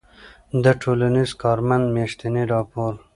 د ټـولنیـز کارمنــد میاشتنی راپــور